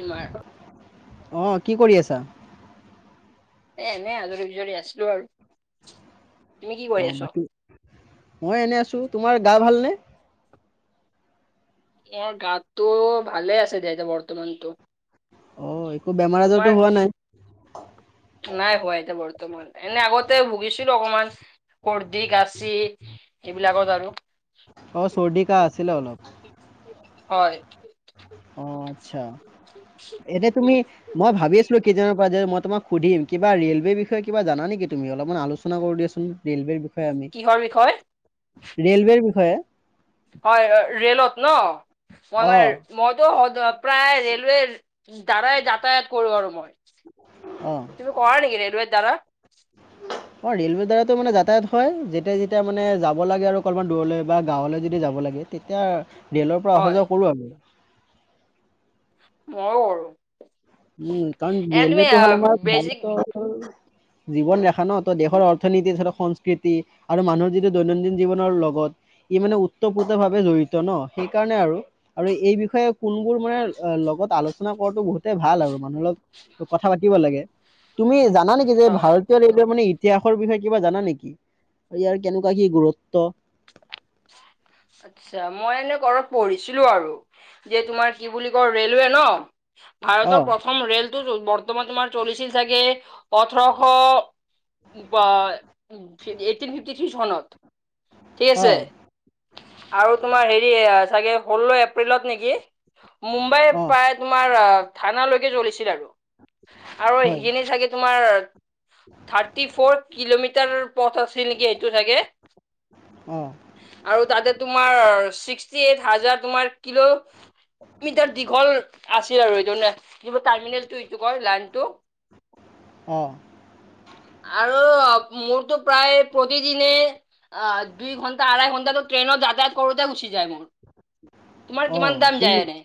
তোমাৰ অ, কি কৰি আছা? এ এনেই আজৰি- বিজৰি আছিলোঁ আৰু। তুমি কি অ কৰি আছ? বাকী, মই এনে আছোঁ। তোমাৰ গা ভালনে? মোৰ গাটো, ভালে আছে দিয়া এতিয়া বৰ্তমানতো। অ, একো বেমাৰ তোমাৰ আজাৰতো হোৱা নাই। নাই হোৱা এতিয়া বৰ্তমান, এনে আগতে ভুগিছিলো অকমান। কৰ্দি কাচি এইবিলাকত আৰু। অঁ চৰ্দি কাহ আছিলে অলপ হয়। অ', আচ্ছা, এনে তুমি মই ভাবি আছিলো কেইদিনৰ পৰা যে মই তোমাক সুধিম কিবা ৰেলৱে বিষয়ে কিবা জানা নেকি তুমি অলপমান আলোচনা কৰো দিয়াচোন? ৰেলৱেৰ বিষয়ে আমি কিহৰ বিষয় ৰেলৱেৰ বিষয়ে। হয়, ৰেলত ন' মই অঁ মানে মইতো প্ৰায় ৰেলৱেৰ দ্বাৰাই যাতায়াত কৰোঁ আৰু মই। অ'। তুমি কৰা নেকি ৰেলৱেত দ্বাৰা? [inaudible] অ', ৰেলোৱে দ্বাৰাটো মানে যাতায়াত হয়। যেতিয়া যেতিয়া মানে যাব লাগে আৰু অকণমান দূৰলৈ বা গাঁৱলৈ যদি যাব লাগে। তেতিয়া ৰেলৰ পৰা অহা হয় যোৱা কৰোঁ আৰু। মইও কৰোঁ। উম, কাৰণ ৰেলৱেতটো হ'ল আমাৰ ভাল বেছিক [unintelligible] জীৱন ৰেখা ন' ত' দেশৰ অৰ্থনীতি ধৰক সংস্কৃতি আৰু মানুহৰ যিটো দৈনন্দিন জীৱনৰ লগত ই মানে ওতঃপ্ৰোত ভাৱে জড়িত ন' সেইকাৰণে আৰু। আৰু এই বিষয়ে কোনবোৰ মানে লগত আলোচনা কৰাটো বহুত ভাল আৰু মানুহৰ লগত কথা পাতিব লাগে। তুমি জানা নেকি যে হয় ভাৰত তিয় ৰেলৱে মানে ইতিহাসৰ বিষয়ে কিবা জানা নেকি ইয়াৰ কেনেকুৱা কি গুৰুত্ব? [inaudible] আচ্ছা, মই এনে ক'ৰবাত পঢ়িছিলো আৰু যে তোমাৰ কি বুলি কয় ৰেলৱে ন'? অ ভাৰতৰ প্ৰথম ৰেলটো বৰ্তমান তোমাৰ চলিছিল চাগে ওঠৰশ বা এইটিন ফিফটি থ্ৰী চনত, ঠিক অ আছে। আৰু তোমাৰ হেৰি চাগে ষোল্ল এপ্ৰিলত নেকি? মুম্বাই অ প্ৰায় তোমাৰ থানালৈকে চলিছিল আৰু, আৰু হয় সেইখিনি চাগে তোমাৰ থাৰ্টি ফৰ কিলোমিটাৰ পথ আছিল নেকি এইটো চাগে! অ'। আৰু তাতে তোমাৰ ছিক্সটি এইট হাজাৰ তোমাৰ কিলো মিটাৰ দীঘল আছিল আৰু সইটো নে কিবা টাৰ্মিনেলটো এইটো কয় লাইনটো? অ'। আৰু মোৰতো প্ৰায় প্ৰতিদিনে আ, দুই ঘন্টা আঢ়ৈ ঘন্টা ট্ৰেইনত যাতায়ত কৰোতে গুচি যায় মোৰ। তোমাৰ অ কিমান টাইম তুমি যায় এনে?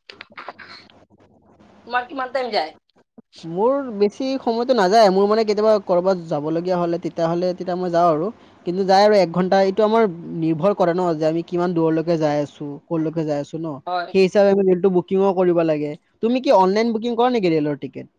[inaudible] তোমাৰ কিমান টাইম যায়? [inaudible] মোৰ বেছি সময়টো নাযায়। মোৰ মানে কেতিয়াবা কৰ'বাত যাবলগীয়া হ'লে, তেতিয়া হ'লে তেতিয়া মই যাওঁ আৰু। কিন্তু যায় আৰু এক ঘণ্টা এইটো আমাৰ নিৰ্ভৰ কৰে ন' যে আমি কিমান দূৰলৈ কে যাই আছো কলৈকে যাই আছো ন'। হয় সেই হিচাপে ৰেলটো বুকিংও কৰিব লাগে। তুমি কি অনলাইন বুকিং কৰা নেকি ৰেলৰ টিকেট?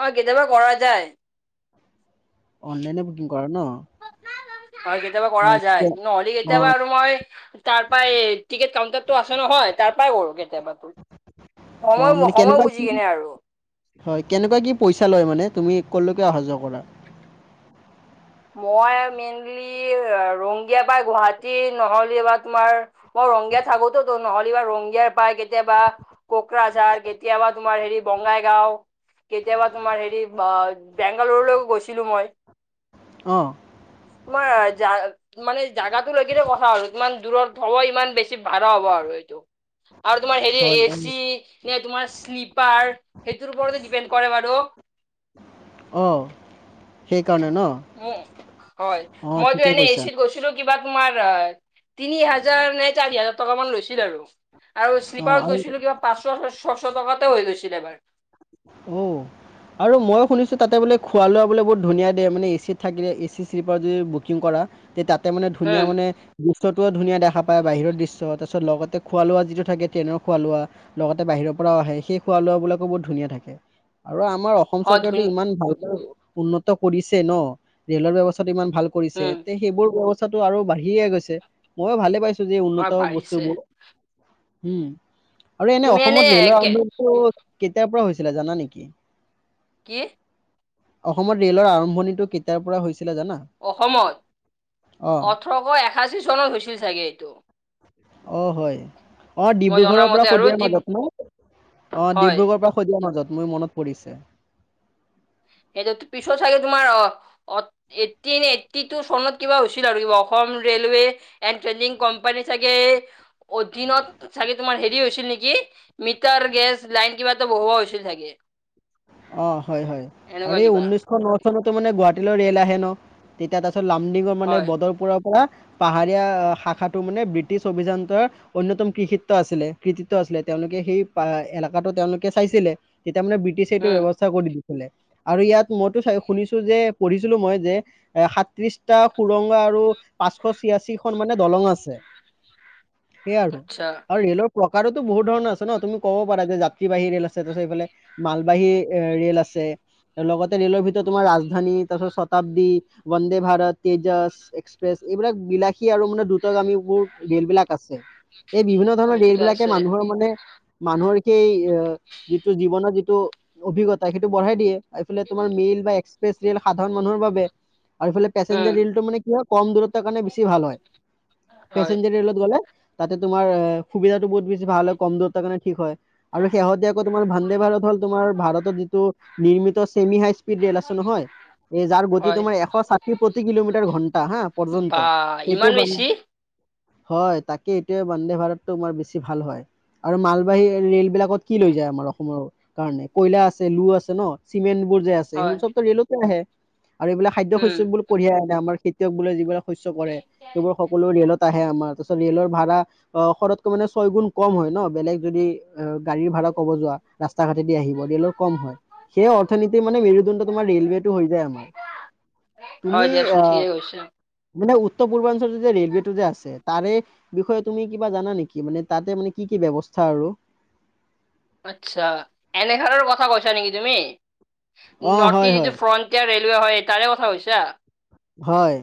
হয়, কেতিয়াবা কৰা যায়। অনলাইনে বুকিং কৰা ন'? হয়, কেতিয়াবা কৰা অঁ যায়। নহ'লি অঁ কেতিয়াবা আৰু মই তাৰ পাই টিকেট কাউন্টাৰটো আছে নহয়, তাৰ পাই কৰোঁ কেতিয়াবাটো। অঁ সময়, মানে সময় কেনেকুৱা বুজি কি কেনে আৰু। হয় কেনেকুৱা কি পইচা লয় মানে, তুমি কলৈকে অহা যোৱা কৰা? মই মেইনলি ৰংগিয়া পৰা গুৱাহাটী নহ'লে বা তোমাৰ, মই ৰংগিয়াত থাকোতো, তো নহ'লেবা ৰংগিয়াৰ পায় কেতিয়াবা। কোকৰাঝাৰ, কেতিয়াবা তোমাৰ হেৰি বঙাইগাওঁ। কেতিয়াবা তোমাৰ হেৰি বেংগালুৰুলৈ গৈছিলো মই। অ' তোমাৰ জা মানে জাগাটো লৈ কিনে কথা আৰু কিমান দূৰত হ'ব ইমান বেছি ভাড়া হ'ব আৰু এইটো। আৰু তোমাৰ হেৰি হয় এ চি নে, তোমাৰ শ্লিপাৰ, সেইটোৰ ওপৰতে ডিপেণ্ড কৰে বাৰু। অ' সেইকাৰণে ন উম, হয়। অঁ মইতো ঠিকে এনে কৈছা এচিত গৈছিলো কিবা তোমাৰ তিনি হাজাৰ নে চাৰি হাজাৰ টকা মান লৈছিল আৰু আৰু অঁ শ্লিপাৰত আৰু গৈছিলো কিবা পাঁচশ ছশ টকাতে হৈ গৈছিল এবাৰ উম আৰু মই শুনিছোঁ তাতে বোলে খোৱা লোৱা বোলে বহুত ধুনীয়া দিয়ে মানে এ চিত থাকিলে এ চি শ্লিপাৰত যদি বুকিং কৰা তে তাতে মানে ধুনীয়া উম মানে দৃশ্যটোও ধুনীয়া দেখা পায় বাহিৰৰ দৃশ্য তাৰপিছত লগতে খোৱা লোৱা যিটো থাকে ট্ৰেনৰ খোৱা লোৱা লগতে বাহিৰৰ পৰাও আহে সেই খোৱা লোৱাবিলাকো বহু ধুনীয়া থাকে আৰু আমাৰ অসম হয় চৰকাৰেতো ধুন ইমান ভালকৈ উন্নত কৰিছে ন ৰেলৰ ব্যৱস্থাটো ইমান ভাল কৰিছে উম তে সেইবোৰ ব্যৱস্থাটো আৰু বাঢ়িয়ে গৈছে ময়ো ভালে পাইছো যে উন্নত হয় বাঢ়িছে বস্তুবোৰ উম আৰু এনে তুমি অসমত ৰেলৰ কে- আৰম্ভ বাৰু কেতিয়াৰ পৰা হৈছিলে জানা নেকি কি অসমত ৰেলৰ আৰম্ভণিটো কেতিয়াৰ পৰা হৈছিলে জানা অসমত অ', ওঠৰশ একাশী চনত হৈছিল চাগে এইটো অ' হয় অ' মই ডিব্ৰুগড়ৰ পৰা জনামতে আৰু শদিয়াৰ যি মাজত ন অ' হয় ডিব্ৰুগড়ৰ পৰা শদিয়াৰ মাজত মোৰ মনত পৰিছে সেইটো পিছত চাগে তোমাৰ অ অ এইটি নে এইটি টু চনত কিবা হৈছিল আৰু কিবা Assam railway and trading company চাগে অধীনত চাগে তোমাৰ হেৰি হৈছিল নেকি মিটাৰ গেছ লাইন কিবা এটা বহুৱা হৈছিল চাগে অ হয় হয় আৰু এনেকুৱা এই কিবা ঊনৈছ শ ন চনতো মানে গুৱাহাটীলৈ ৰেল আহে ন তেতিয়া তাৰপিছত লামডিঙৰ মানে হয় বদৰপুৰৰ পৰা পাহাৰীয়া শাখাটো মানে ব্ৰিটিছ অভিযান্ত অন্যতম কৃষিত্ব আছিলে কৃতিত্ব আছিলে তেওঁলোকে সেই এলেকাটো তেওঁলোকে চাইছিলে তেতিয়া মানে ব্ৰিটছে এইটো উম ব্যৱস্থা কৰি দিছিলে আৰু ইয়াত মইতো চ শুনিছো যে পঢ়িছিলো মই যে এ সাতত্ৰিশটা সুৰংগ আৰু পাঁচশ ছিয়াশী খন মানে দলং আছে সেই আৰু আচ্ছা আৰু ৰে'লৰ প্ৰকাৰোতো বহুত ধৰণৰ আছে ন তুমি ক'ব পাৰা যে যাত্ৰীবাহী ৰেল আছে তাৰছত এইফালে মাল বাহী এ ৰেল আছে লগতে ৰেলৰ ভিতৰত তোমাৰ ৰাজধানী তাৰপিছত শতাব্দী বন্দে ভাৰত তেজছ এক্সপ্ৰেছ এইবিলাক বিলাসী আৰু মানে দ্ৰুত গামীবোৰ ৰে'ল বিলাক আছে। এই বিভিন্ন হয় ধৰণৰ এইটোতো ৰে'ল বিলাকে আছে মানুহৰ মানে মানুহৰ সেই এ যিটো জীৱনৰ যিটো অভিজ্ঞতা, সেইটো বঢ়াই দিয়ে। এইফালে তোমাৰ মেইল বা এক্সপ্ৰেছ ৰেল সাধাৰণ মানুহৰ বাবে। আৰু এইফালে উম পেচেঞ্জাৰ ৰেলটো কি হয়, কম দূৰত্বৰ কাৰণে বেছি ভাল হয়। হয় পেচেঞ্জাৰ ৰে'লত গ'লে তাতে তোমাৰ সুবিধাটো বহুত বেছি ভাল হয়। কম দূৰতৰ কাৰণে ঠিক হয়। আৰু শেহতীয়াকৈ তোমাৰ ভাণ্ডে ভাৰত হ'ল আৰু ভাৰতত যিটো নিৰ্মিত ছেমি হাই স্পীড ৰেল আছে নহয় এই যাৰ গতি হয় তোমাৰ এশ ষাঠি প্ৰতি কিলোমিটাৰ ঘণ্টা হা বা পৰ্যন্ত, ইমান সেইটো মানে বেছি হয়, তাকে। এইটোৱে বন্দে ভাৰত তোমাৰ বেছি ভাল হয়। আৰু মালবাহী ৰেলবিলাক ক'ত কি লৈ যায় আমাৰ অসমৰ কাৰণে। কয়লা আছে লু আছে ন চিমেন্ট বোৰ যে আছে, হয় সেইবোৰ চবটো ৰেলত আহে আৰু এইবিলাক খাদ্য উম শস্য বোৰ কঢ়িয়াই আনে আমাৰ খেতিয়ক বোলে যিবিলাক শস্য কৰে এইবোৰ সকলো ৰেলত আহে আমাৰ তাৰছত ৰেলৰ ভাৰা অ' শৰতকৈ মানে ছয় গুণ কম হয় ন, বেলেগ যদি অ' গাড়ীৰ ভাড়া ক'ব যোৱা। ৰাস্ত ৰা ঘাটেদি আহিব ৰেলৰ কম হয় সেই অথনীতি মানে মেৰুদণ্ড তোমাৰ ৰেলৱেেতটো হৈ যায় আমাৰ। [inaudible] ৰা ঘাটেদি আহিব তা ঘাটেদি আহিব। ৰেলৰ কম হয়। সেই অথনীতি মানে মেৰুদণ্ড তোমাৰ ৰেলৱেটো হৈ যায় আমাৰ। হয় তুমি দিয়া আহ চুঠিয়ে হৈছে। মানে উত্তৰ পূৰ্বাঞ্চলটো যে ৰেলৱেটো যে আছে তাৰে বিষয়ে তুমি কিবা জানা নেকি? মানে তাতে মানে কি কি ব্যৱস্থা আৰু। আচ্ছা, এনেকাধৰণৰ কথা কৈছা নেকি তুমি? অ নৰ্থ হয় ইষ্ট হয় যিটো ফ্ৰন্ট তিয়াৰ ৰেলৱে হয় তাৰে কথা হৈছা? হয়।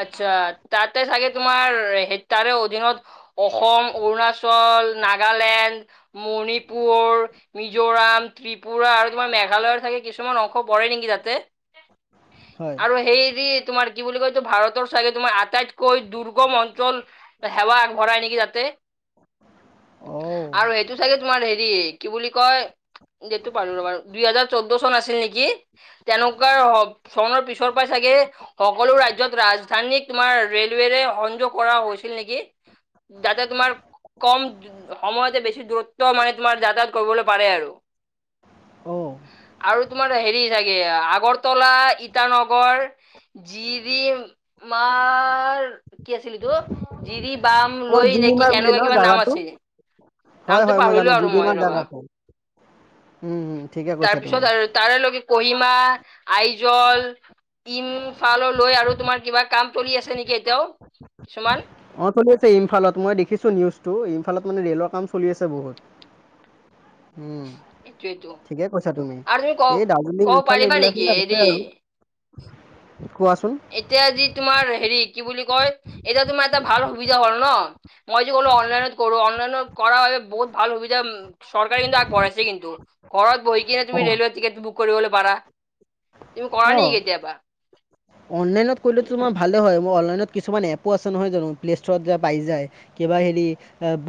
আচ্ছা, তাতে চাগে তোমাৰ হে তাৰে অধীনত অসম, অৰুণাচল, নাগালেণ্ড, মণিপুৰ মিজোৰাম, ত্ৰিপুৰা আৰু তোমাৰ মেঘালয়ৰ থাকে কিছুমান অংশ পৰে নেকি তাতে। হয় আৰু হেই যি তোমাৰ কি বুলি কয়টো ভাৰতৰ চাগে তোমাৰ আটাইতকৈ দুৰ্গম অঞ্চল। সেৱা আগবঢ়াই নেকি তাতে অ আৰু সেইটো চাগে তোমাৰ হে কি বুলি কয়, ডেটটো পাহৰিলোঁ ৰ'বা ৰ'। দুই হাজাৰ চৌধ্য চন আছিল নেকি? তেনেকুৱা হ চনৰ পিছৰ পাই চাগে সকলো ৰাজ্যত ৰাজধানী তোমাৰ ৰেলৱেৰে সংযোগ কৰা হৈছিল নেকি? যাতে তোমাৰ কম সময়তে বেছি দূৰত্ব মানে তোমাৰ যাতায়াত কৰিবলৈ পাৰে আৰু। অ আৰু তোমাৰ হেৰি চাগে আগৰতলা, ইটানগৰ, জিৰিম মাৰ কি আছিলিতো? জিৰি বাম অ লৈ নেকি জিলিমাৰ বুলি কেনেকুৱা ন কিবা নাম জাগাটো আছে। হয় হয়। মই জানো জুদিমান ৰবা। জাগাটো। উম, ঠিকে কৈছা তুমি। তাৰে লগি কহিমা আইজল ইম। ফালৰ লৈ আৰু তোমাৰ কিবা কাম চলি আছে নেকি এতিয়াও কিছুমান। অ' চলি আছে ইমফালত। মই দেখিছো নিউজটো। ইমফালত মানে ৰেলৰ কাম চলি আছে বহুত। উম, এইটো এইটো ঠিকে কৈছা তুমি। আৰু ক এই দাৰ্জিলিং ক'ব ইফালে পাৰিবা এইবিলাকে নেকি আছে আৰু। হেৰি কোৱাচোন। এতিয়া যি তোমাৰ হেৰি কি বুলি কয়, এতিয়া তোমাৰ এটা ভাল সুবিধা হ'ল ন? মই যে ক'লো অনলাইনত কৰো, অনলাইনত কৰা হ'লে বহুত ভাল সুবিধা উম চৰকাৰে কিন্তু আগবঢ়াইছে কিন্তু। ঘৰত বহি কিনে তুমি অ', ৰেলৱৰ টিকেট বুক কৰিবলৈ পাৰা। তুমি কৰা নেকি কেতিয়াবা। অনলাইত কৰিলেতো তোমাৰ ভালেই হয় মোৰ অনলাইনত কিছুমান এপো আছে নহয় জানো প্লে'ষ্ট'ৰত যায় পাই যায়। কিবা হেৰি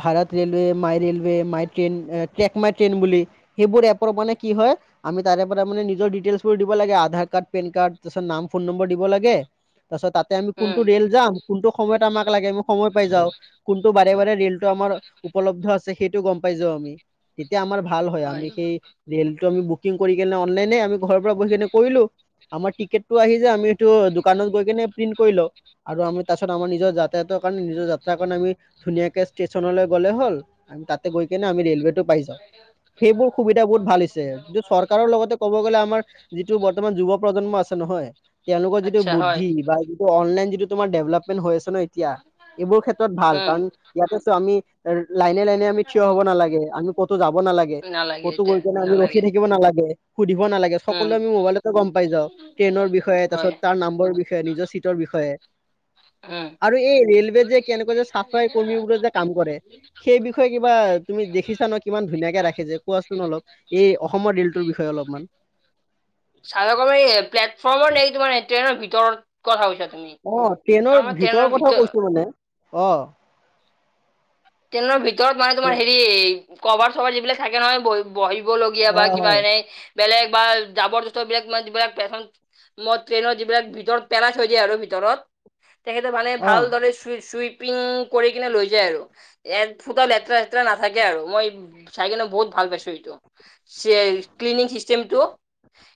Bharat railway my railway my train take my train বুলি। সেইবোৰ এপৰ মানে কি হয়। আমি তাৰে পৰা মানে নিজৰ ডিটেইলছ বোৰ দিব লাগে আধাৰ কাৰ্ড পেন কাৰ্ড তাৰপিছত নাম। ফোন নম্বৰ দিব লাগে তাৰপাছত তাতে আমি কোনটো উম ৰেল যাম কোনটো সময়ত আমাক লাগে। সময় পাই যাও কোনটো বাৰে বাৰে ৰেলটো আমাৰ উপলব্ধ আছে সেইটো গম পাই যাও আমি। তেতিয়া আমাৰ ভাল হয় আমি সেই। ৰেলটো আমি বুকিং কৰি কেনে অনলাইনে আমি ঘৰৰ পৰা বহি কেনে কৰিলো আমাৰ টিকেট। টো আহি যায় আমি সেইটো দোকানত গৈ কেনে প্ৰিন্ট কৰি লও আৰু আমি তাৰ পিছত আমাৰ নিজৰ যাতায়তৰ কাৰণে নিজৰ যাত্ৰা কাৰণে আমি ধুনীয়াকে ষ্টেচনলৈ গ'লে হ'ল। আমি তাতে গৈ কিনে আমি ৰেলৱে টো পাই যাওঁ। সেইবোৰ সুবিধা বহুত ভাল হৈছে যত চৰকাৰৰ লগতে ক'ব গ'লে আমাৰ যিটো বৰ্তমান যুৱ প্ৰজন্ম আছে। নহয় তেওঁলোকৰ যিটো আচ্ছা হয় বুদ্ধি বা অনলাইন যিটো তোমাৰ ডেভলপমেন্ট হৈ আছে ন এতিয়া এইবোৰ ক্ষেত্ৰত ভাল উম কাৰণ ইয়াতে আছো আমি এ লাইনে লাইনে আমি থিয় হব নালাগে আমি। ক'তো যাব নালাগে ক'তো এতিয়া গৈ কেনে আমি নালাগে ৰখি থাকিব নালাগে সুধিব নালাগে উম সকলোৱে আমি মোবাইলত। গম পাই যাও ট্ৰেইনৰ বিষয়ে তাৰ হয় পিছত তাৰ নাম্বৰ বিষয়ে নিজৰ চিটৰ বিষয়ে। উম আৰু এই ৰেলৱে যে, কেনেকুৱা যে চাফাই কৰ্মী বোৰে যে কাম কৰে। সেই বিষয়ে কিবা তুমি দেখিছা ন কিমান ধুনীয়াকে ৰাখে যে, কোৱাচোন অলপ। এই অসমৰ ৰেলটোৰ বিষয়ে অলপমান। চাফাই কৰ্মী, এই প্লেটফৰ্মৰ নেকি তোমাৰ ট্ৰেইনৰ ভিতৰত কথা কৈছা তুমি অ'ট্ৰেইনৰ কাৰণ মই ট্ৰেইনৰ ভিতৰ কথা কৈছোঁ মানে, অ। ট্ৰেনৰ ভিতৰত মানে তোমাৰ হেৰি, ক'ভাৰ চ'ভাৰ যিবিলাক থাকে নহয়, বহি বহিবলগীয়া অ বা কিবা, হয় এনেই বেলেগ বা জাবৰ-জোথৰবিলাক মানে যিবিলাক পেছেন মত ট্ৰেইনত, যিবিলাক ভিতৰত পেলাই থৈ দিয়ে আৰু ভিতৰত তেখেতে মানে অ ভালদৰে চুই চুইপিং কৰি কিনে, লৈ যায় আৰু এফুটাও লেতেৰা চেতেৰা নাথাকে আৰু মই, চাইকেনে বহুত ভাল পাইছোঁ এইটো চেলছ ক্লিনিং চিষ্টেমটো,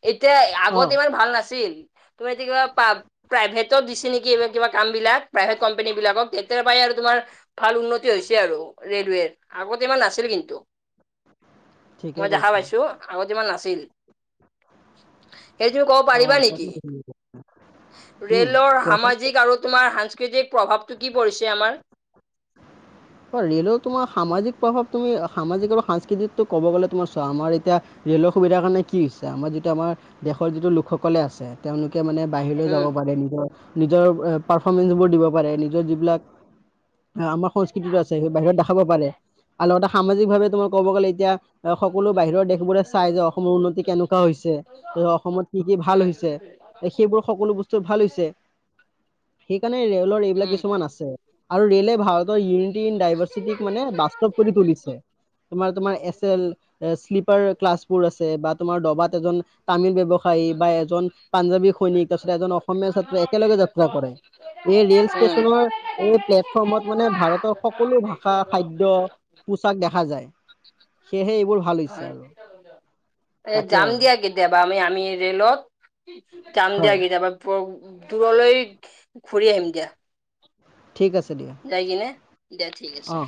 এতিয়া অ আগতে ইমান ভাল নাছিল। তুমি এতিয়া কিবা পা প্ৰাইভেটত দিছে নেকি? এইবাৰ কিবা কাম বিলাক, প্ৰাইভেট কম্পেনীবিলাকক। তেতিয়াৰ পৰাই আৰু তোমাৰ ভাল উন্নতি। উন্নতি হৈছে আৰু ৰে'লৱেৰ, আগতে ইমান নাছিল কিন্তু, ঠিকে মই দেখা কৈছা পাইছোঁ। আগত ইমান নাছিল। সেইটো ক'ব অ পাৰিবা নেকি এতিয়া উম ৰে'লৰ কোৱাচোন সামাজিক আৰু তোমাৰ সাংস্কৃতিক প্ৰভাৱটো কি পৰিছে আমাৰ হয়, ৰে'লৰ তোমাৰ সামাজিক প্ৰভাৱ তুমি, সামাজিক আৰু সাংস্কৃতিকটো ক'ব গ'লে তোমাৰ চোৱা, আমাৰ এতিয়া ৰে'লৰ সুবিধাৰ কাৰণে কি হৈছে আমাৰ যিটো আমাৰ দেশৰ যিটো লোকসকলে আছে, তেওঁলোকে মানে বাহিৰলৈ উম যাব পাৰে, নিজৰ নিজৰ এ, পাৰফমেঞ্চ বোৰ দিব পাৰে, নিজৰ যিবিলাক আমাৰ সংস্কৃ- সাংস্কৃতিটো আছে, বাহিৰত দেখাব পাৰে আৰু লগতে সামাজিকভাৱে তোমাৰ ক'ব গ'লে এতিয়া এ, সকলো বাহিৰৰ দেশবোৰে চাই যে, অসমৰ উন্নতি কেনেকুৱা হৈছে অসমত কি কি ভাল উম হৈছে সেইবোৰ সকলো বস্তু ভাল হৈছে। সেইকাৰণে ৰে'লৰ এইবিলাক উম উম কিছুমান আছে, আৰু ৰে'লে ভাৰতৰ ইউ ড্ৰাইভাৰ চিটিক মানে বাস্তৱ কৰি তুলিছে। তোমাৰ, তোমাৰ এছ এল, এ শ্লিপাৰ ক্লাছ বোৰ আছে বা তোমাৰ ডবাৰ এজন তামিল ব্যৱসায়ী বা এজন পাঞ্জাৱী সৈনিক আছে, এজন অসমীয়া ছাত্ৰ একেলগে যাত্ৰা কৰে এই ৰেল ষ্টেচনৰ এই প্লেটফৰ্মত মানে ভাৰতৰ সকলো ভাষা, খাদ্য, পোচাক দেখা যায়। সেয়েহে এইবোৰ ভাল হৈছে হয় আৰু। এ তাকে যাম আৰু দিয়া কেতিয়াবা আমি আমি ৰে'লত। যাম দিয়া হয় কেতিয়াবা ফ'ব দূৰলৈ ফুৰি আহিম। ঠিক আছে দিয়া যায় কিনে দিয়া ঠিক আছে। অ